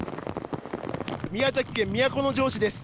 宮崎県都城市です。